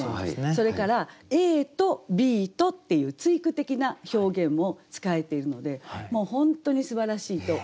それから「ＡとＢと」っていう対句的な表現も使えているのでもう本当にすばらしいと思います。